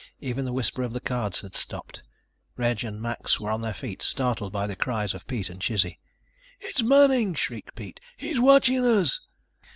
Even the whisper of the cards had stopped. Reg and Max were on their feet, startled by the cries of Pete and Chizzy. "It's Manning!" shrieked Pete. "He's watching us!"